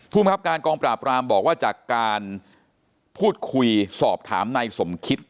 ภูมิครับการกองปราบรามบอกว่าจากการพูดคุยสอบถามนายสมคิต